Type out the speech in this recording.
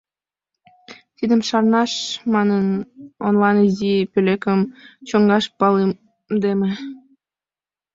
Тидым шарнаш манын, онлан изи пӧлекым чоҥаш палемдыме.